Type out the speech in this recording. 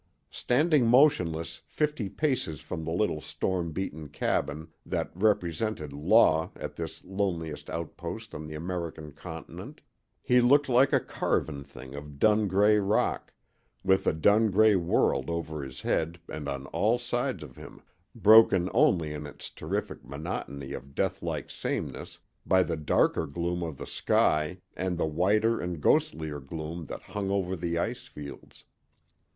Standing motionless fifty paces from the little storm beaten cabin that represented Law at this loneliest outpost on the American continent, he looked like a carven thing of dun gray rock, with a dun gray world over his head and on all sides of him, broken only in its terrific monotony of deathlike sameness by the darker gloom of the sky and the whiter and ghostlier gloom that hung over the ice fields.